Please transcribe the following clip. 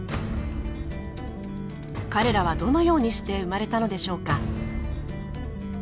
彼らはどのようにして生まれたのでしょうか？